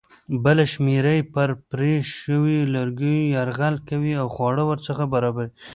بله شمېره یې پر پرې شویو لرګیو یرغل کوي او خواړه ورڅخه برابروي.